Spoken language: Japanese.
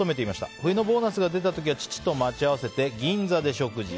冬のボーナスが出た時は父と銀座で待ち合わせて銀座で食事。